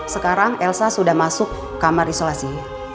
sekarang elsa sudah masuk kamar isolasi